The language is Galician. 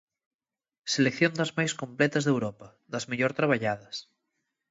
Selección das máis completas de Europa, das mellor traballadas.